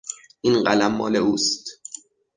این قلم مال اوست.